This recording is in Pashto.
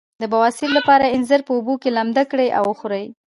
د بواسیر لپاره انځر په اوبو کې لمد کړئ او وخورئ